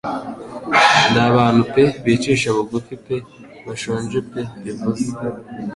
Ndi abantu pe bicisha bugufi pe bashonje pe bivuze -